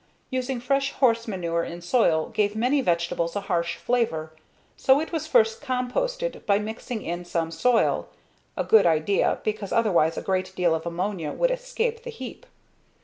Using fresh horse manure in soil gave many vegetables a harsh flavor so it was first composted by mixing in some soil (a good idea because otherwise a great deal of ammonia would escape the heap).